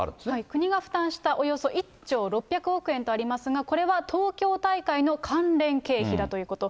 国が負担したおよそ１兆６００億円とありますが、これは東京大会の関連経費だということ。